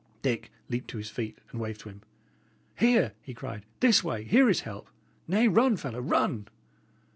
Dick leaped to his feet and waved to him. "Here!" he cried. "This way! here is help! Nay, run, fellow run!"